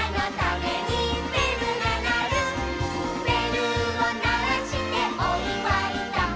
「べるをならしておいわいだ」